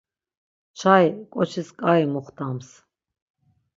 Çai ǩoçis ǩai muxtams.